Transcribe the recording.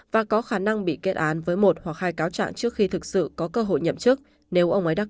và có khả năng bị kết án với một hoặc hai cáo trạng trước khi thực sự có cơ hội nhậm chức nếu ông ấy đắk